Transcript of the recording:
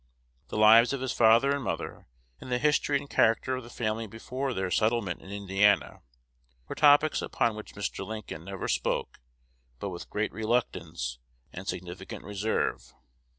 The lives of his father and mother, and the history and character of the family before their settlement in Indiana, were topics upon which Mr. Lincoln never spoke but with great reluctance and significant reserve.